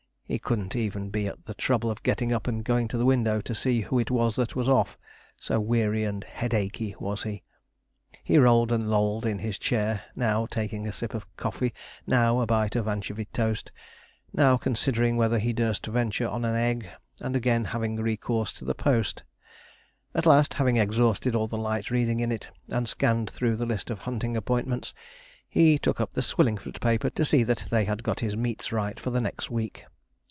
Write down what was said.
He couldn't even be at the trouble of getting up and going to the window to see who it was that was off, so weary and head achy was he. He rolled and lolled in his chair, now taking a sip of coffee, now a bite of anchovy toast, now considering whether he durst venture on an egg, and again having recourse to the Post. At last, having exhausted all the light reading in it, and scanned through the list of hunting appointments, he took up the Swillingford paper to see that they had got his 'meets' right for the next week.